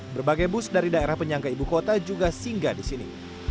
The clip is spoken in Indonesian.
berbagai bus dari daerah penyangga ibu kota juga singgah di sini